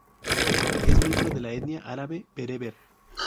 Es miembro de la etnia árabe-bereber.